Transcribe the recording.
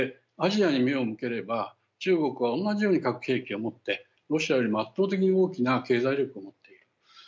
アジアに目を向ければ中国は同じように核兵器を持ってロシアよりも圧倒的に大きな経済力を持っている。